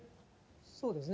そうですね。